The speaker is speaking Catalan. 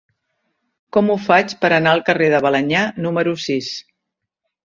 Com ho faig per anar al carrer de Balenyà número sis?